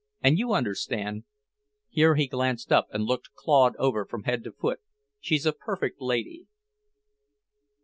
And, you understand," here he glanced up and looked Claude over from head to foot, "she's a perfect lady."